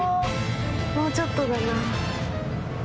もうちょっとだな。